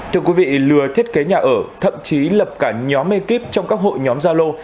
thưa quý vị lừa thiết kế nhà ở thậm chí lập cả nhóm ekip trong các hội nhóm gia lô